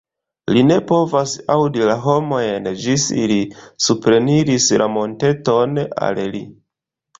Li ne povas aŭdi la homojn ĝis ili supreniris la monteton al li.